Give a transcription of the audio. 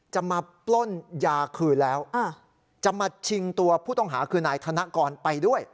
จะมาปล้นยาคืนแล้วจะมาชิงตัวผู้ต้องหาคือนายธนกรไปด้วย